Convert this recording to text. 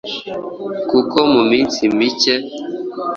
kuko mu minsi mike